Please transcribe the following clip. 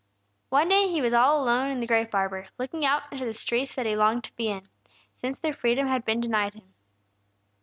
One day he was all alone in the grape arbor, looking out into the streets that he longed to be in, since their freedom had been denied him.